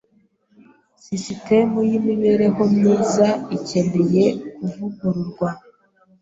Sisitemu yimibereho myiza ikeneye kuvugururwa.